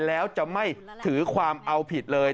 แล้วจะไม่ถือความเอาผิดเลย